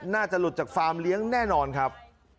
น่าจะหลุดจากฟาร์มเลี้ยงแน่นอนครับ